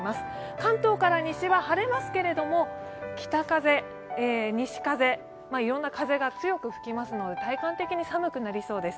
関東から西は晴れますけれども、北風、西風、いろいろな風が強く吹きますので体感的に寒くなりそうです。